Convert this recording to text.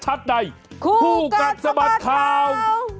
คู่กันสบัดข่าวคู่กันสบัดข่าว